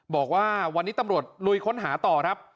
บอกว่าวันนี้ตำรวจลุยค้นหาต่อครับ